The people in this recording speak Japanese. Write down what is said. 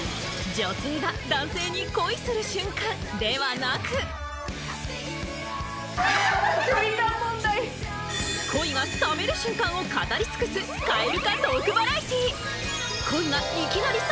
女性が男性に恋する瞬間ではなく恋が冷める瞬間を語り尽くすカエル化トーク